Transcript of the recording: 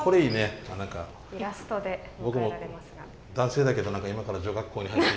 僕男性だけど今から女学校に入って。